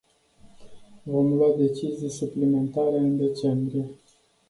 Vom lua decizii suplimentare în decembrie.